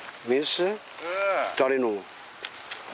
誰の？